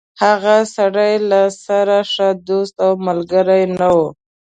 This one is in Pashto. هغه سړی له سره ښه دوست او ملګری نه و.